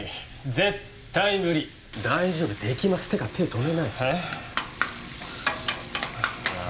絶対無理大丈夫できますていうか手止めないえっ？